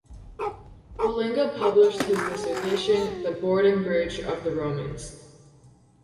Wallinga published his dissertation, "The Boarding-Bridge of the Romans".